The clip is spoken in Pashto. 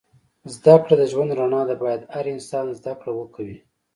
زده کړه د ژوند رڼا ده. باید هر انسان زده کړه وه کوی